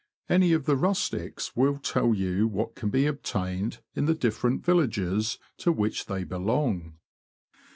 Any of the rustics will tell you what can be obtained in the different villages to which they belong.